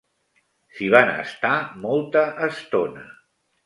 S'hi van estar molta estona.